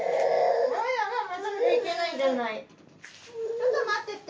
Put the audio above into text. ちょっと待ってて。